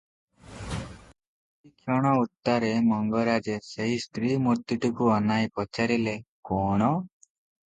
କିଛିକ୍ଷଣ ଉତ୍ତାରେ ମଙ୍ଗରାଜେ ସେହି ସ୍ତ୍ରୀ ମୂର୍ତ୍ତିଟିକୁ ଅନାଇ ପଚାରିଲେ, "କ'ଣ?"